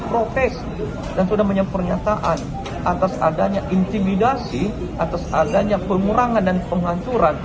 protes dan sudah menyatakan atas adanya intimidasi atas adanya pengurangan dan penghancuran hak hak